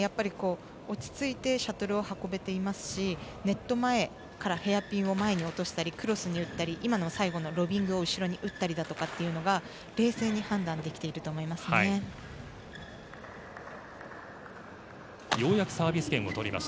落ち着いてシャトルを運べていますしネット前からヘアピンを前に落としたりクロスに打ったり最後のを後ろに打ったりだとかが冷静に判断できていると思います。